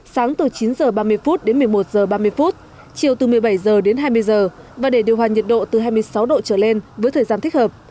sáng từ chín h ba mươi đến một mươi một h ba mươi chiều từ một mươi bảy h đến hai mươi h và để điều hòa nhiệt độ từ hai mươi sáu độ trở lên với thời gian thích hợp